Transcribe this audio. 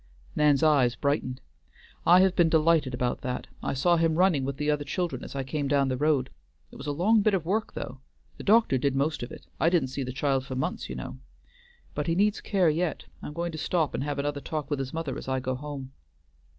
Nan's eyes brightened. "I have been delighted about that. I saw him running with the other children as I came down the road. It was a long bit of work, though. The doctor did most of it; I didn't see the child for months, you know. But he needs care yet; I'm going to stop and have another talk with his mother as I go home."